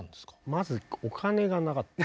まずお金がなかった。